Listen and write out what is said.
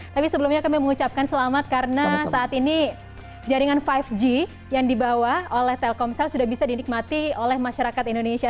tapi sebelumnya kami mengucapkan selamat karena saat ini jaringan lima g yang dibawa oleh telkomsel sudah bisa dinikmati oleh masyarakat indonesia